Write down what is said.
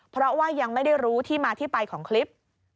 เพราะว่ายังไม่ได้รู้ที่มาที่ไปของคลิป